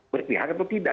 berpihak atau tidak